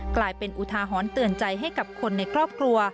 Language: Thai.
กลายเป็นอุทาหรณ์เตือนใจให้กับคนในครอบครัว